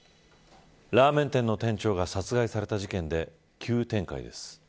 ラーメン店の店長が殺害された事件で急展開です。